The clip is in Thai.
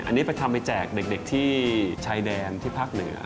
อันนี้ไปทำไปแจกเด็กที่ชายแดนที่ภาคเหนือ